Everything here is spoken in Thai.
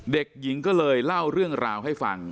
เด็กหญิงก็เลยเล่าเรื่องราวให้ฟัง